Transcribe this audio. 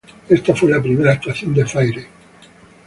Esta fue la primera actuación de Fairey.